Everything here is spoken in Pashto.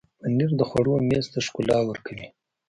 پنېر د خوړو میز ته ښکلا ورکوي.